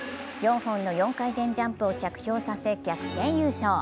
４本の４回転ジャンプを着氷させ逆転優勝。